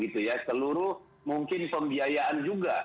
juga jika perlu mungkin pembiayaan juga